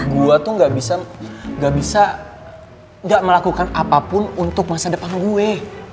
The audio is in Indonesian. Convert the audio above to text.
gue tuh gak bisa gak melakukan apapun untuk masa depan gue